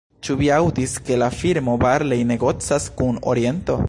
Ĉu vi aŭdis, ke la firmo Barlei negocas kun Oriento?